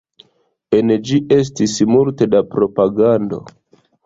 En ĝi estis multe da propagando.